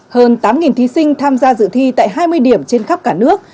hơn tám thí sinh tham gia dự thi tại hai mươi điểm trên khắp cả nước